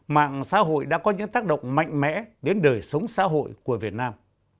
mạng xã hội đã có những tác động mạnh mẽ đến đời sống xã hội của việt nam